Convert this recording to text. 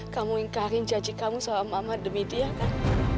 kamu ingkarin janji kamu sama mama demi dia kan